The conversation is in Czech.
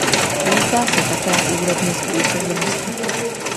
Týká se také úrovně způsobilosti.